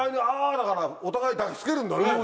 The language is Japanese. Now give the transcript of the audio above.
だからお互いに抱きつけるんだね。